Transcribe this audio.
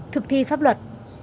thực thi pháp luật